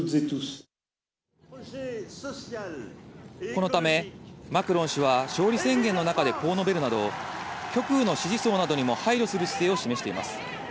このため、マクロン氏は勝利宣言の中でこう述べるなど、極右の支持層などにも配慮する姿勢を示しています。